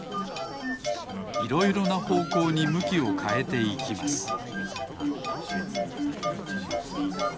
いろいろなほうこうにむきをかえていきます